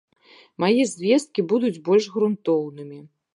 Мае звесткі будуць больш грунтоўнымі.